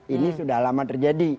ini sudah lama terjadi